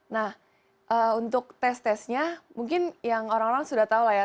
nah untuk tes tesnya mungkin yang orang orang sudah tahu lah ya